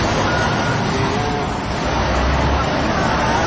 เบอร์นานเก้า